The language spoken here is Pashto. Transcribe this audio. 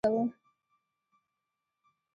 ځه ووځه کنه وهم دې او تاوان در رسوم.